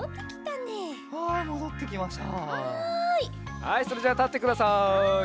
はいそれじゃあたってください。